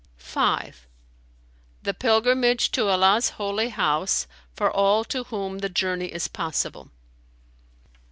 (5) The Pilgrimage to Allah's Holy House for all to whom the journey is possible.